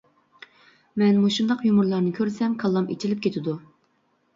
مەن مۇشۇنداق يۇمۇرلارنى كۆرسەم كاللام ئېچىلىپ كېتىدۇ!